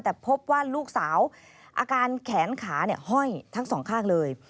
แต่พบว่าลูกสาวอาการแขนขาห้อยทั้งสองข้างเลย